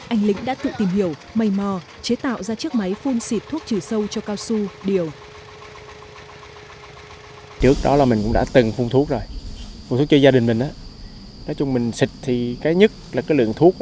anh lĩnh đã tự tìm hiểu may mò chế tạo ra chiếc máy phun xịt thuốc trừ sâu cho cao su điều